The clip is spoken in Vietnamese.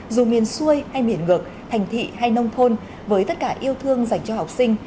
dù miền xuôi hay miền ngược thành thị hay nông thôn với tất cả yêu thương dành cho học sinh